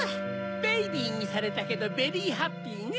ベイビーにされたけどベリーハッピーね！